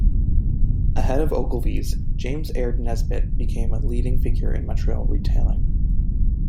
As head of Ogilvy's, James Aird Nesbitt became a leading figure in Montreal retailing.